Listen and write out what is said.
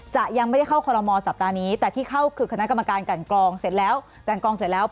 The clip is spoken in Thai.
จะยังไม่ได้เข้าคอลโรมอลสัปดาห์นี้แต่ที่เข้าคือคณะกรรมการกันกองเสร็จแล้ว